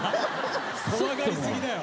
怖がり過ぎだよ。